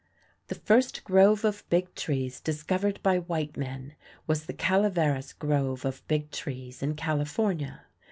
The first grove of Big Trees discovered by white men was the Calaveras Grove of Big Trees in California.